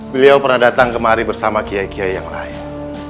beliau pernah datang kemari bersama kiai kiai yang lain